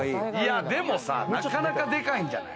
でも、なかなかでかいんじゃない？